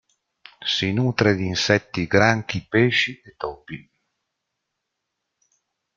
Si nutre di insetti, granchi, pesci e topi.